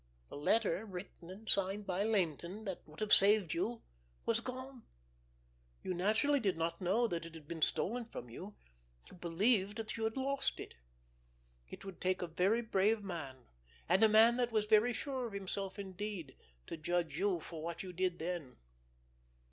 The letter, written and signed by Laynton, that would have saved you, was gone. You naturally did not know that it had been stolen from you; you believed that you had lost it. It would take a very brave man, and a man that was very sure of himself indeed, to judge you for what you did then.